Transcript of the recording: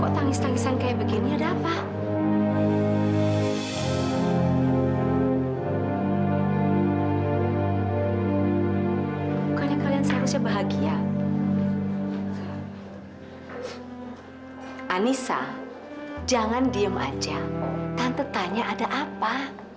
tante tanya ada apa